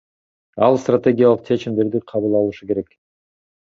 Ал стратегиялык чечимдерди кабыл алышы керек.